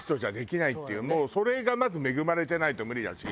もうそれがまず恵まれてないと無理だし。